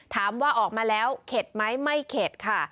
ถามว่าออกมาแล้วเข็ดไหมไม่เข็ดค่ะ